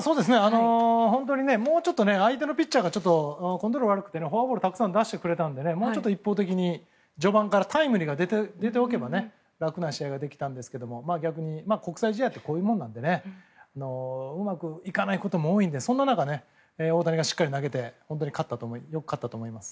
本当にもうちょっと相手のピッチャーがコントロールが悪くてフォアボールをたくさん出してくれたのでもうちょっと一方的に序盤からタイムリーが出ておけば楽な試合ができたんですけど逆に国際試合ってこういうものなのでうまくいかないことも多いのでそんな中、大谷がしっかり投げてよく勝ったと思います。